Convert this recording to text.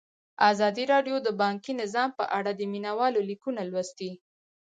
ازادي راډیو د بانکي نظام په اړه د مینه والو لیکونه لوستي.